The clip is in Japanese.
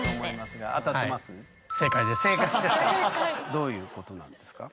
どういうことなんですか？